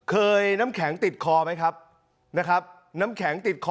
น้ำแข็งติดคอไหมครับนะครับน้ำแข็งติดคอ